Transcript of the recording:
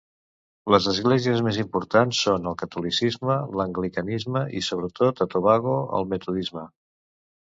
Les esglésies més importants són el catolicisme l'anglicanisme i, sobretot a Tobago, el metodisme.